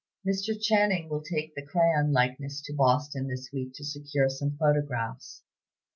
Mr. Channing will take the crayon likeness to Boston this week to secure some photographs.